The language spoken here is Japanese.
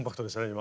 今。